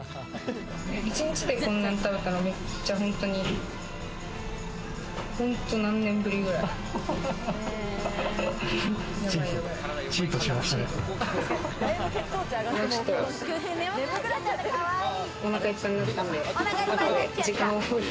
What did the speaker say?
一日でこんな食べたのはめっちゃ本当に、ホント何年ぶりくらい。